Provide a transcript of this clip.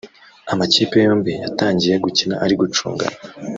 Amakipe yombi yatangiye gukina ari gucungana